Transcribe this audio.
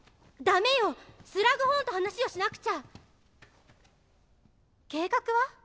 ダメよスラグホーンと話をしなくちゃ計画は？